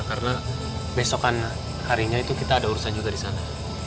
karena besokan harinya itu kita ada urusan juga disana